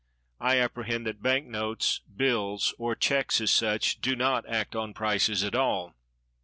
I apprehend that bank notes, bills, or checks, as such, do not act on prices at all.